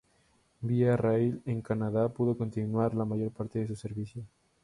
Via Rail en Canadá pudo continuar la mayor parte de su servicio.